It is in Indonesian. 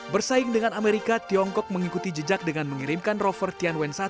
bersaing dengan amerika tiongkok mengikuti jejak dengan mengirimkan rover tianwen satu